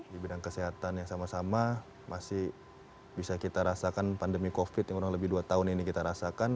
di bidang kesehatan yang sama sama masih bisa kita rasakan pandemi covid yang kurang lebih dua tahun ini kita rasakan